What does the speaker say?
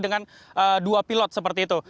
dengan dua pilot seperti itu